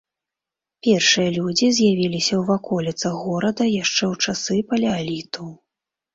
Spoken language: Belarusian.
Першыя людзі з'явіліся ў ваколіцах горада яшчэ ў часы палеаліту.